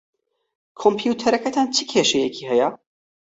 کۆمپیوتەرەکەتان چ کێشەیەکی ھەیە؟